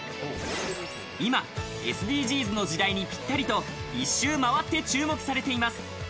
今、ＳＤＧｓの時代にぴったりと、一周回って注目されています。